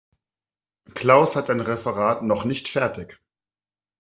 Klaus hat sein Referat noch nicht fertig.